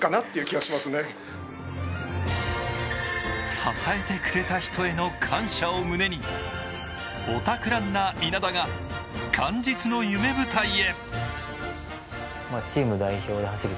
支えてくれた人への感謝を胸に、オタクランナー・稲田が元日の夢舞台へ。